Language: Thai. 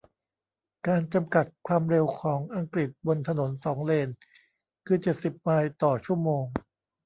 การ จำกัด ความเร็วของอังกฤษบนถนนสองเลนคือเจ็ดสิบไมล์ต่อชั่วโมง